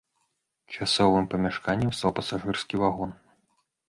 Часовым памяшканнем стаў пасажырскі вагон.